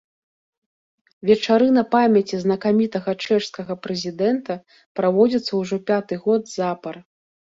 Вечарына памяці знакамітага чэшскага прэзідэнта праводзіцца ўжо пяты год запар.